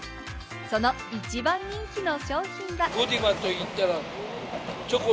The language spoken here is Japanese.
その一番人気の商品が。